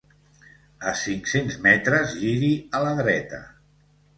A cinc cents metres giri a la dreta